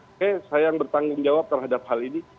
oke saya yang bertanggung jawab terhadap hal ini